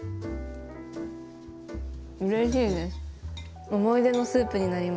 うれしいです。